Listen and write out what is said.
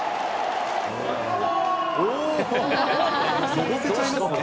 のぼせちゃいますね。